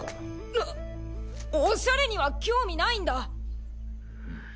なっおしゃれには興味ないんだ！